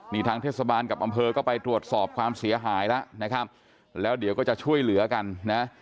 นี่ทางเทศบาลกับอำเภอก็ไปตรวจสอบความเสียหายแล้วนะครับแล้วเดี๋ยวก็จะช่วยเหลือกันนะ